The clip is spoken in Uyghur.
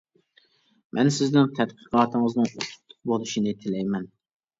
مەن سىزنىڭ تەتقىقاتىڭىزنىڭ ئۇتۇقلۇق بولۇشىنى تىلەيمەن.